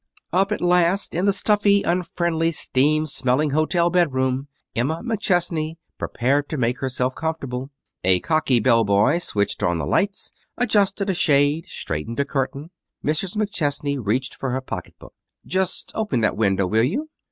Up at last in the stuffy, unfriendly, steam smelling hotel bedroom Emma McChesney prepared to make herself comfortable. A cocky bell boy switched on the lights, adjusted a shade, straightened a curtain. Mrs. McChesney reached for her pocket book. "Just open that window, will you?"